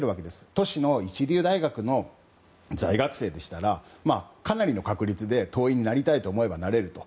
都市の一流大学の在学生でしたらかなりの確率で党員になりたいと思えばなれると。